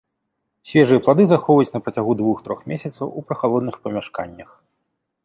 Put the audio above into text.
Свежыя плады захоўваюць на працягу двух-трох месяцаў у прахалодных памяшканнях.